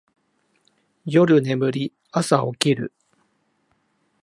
夜眠り、朝起きる